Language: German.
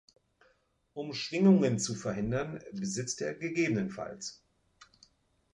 Um Schwingungen zu verhindern, besitzt er ggf.